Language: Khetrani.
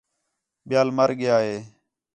ٻِیال مَر ڳِیا ہِے